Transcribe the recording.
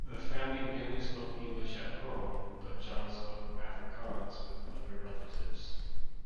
The family mainly spoke English at home, but John spoke Afrikaans with other relatives.